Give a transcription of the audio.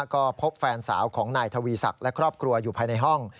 ก็พบแฟนสาวของนายทวีศักดิ์และครอบครัวอยู่ภายในห้อง